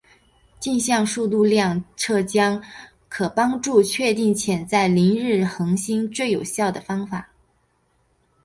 径向速度量测将可帮助确认潜在凌日恒星最有效的方式。